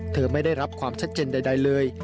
ไม่ได้รับความชัดเจนใดเลย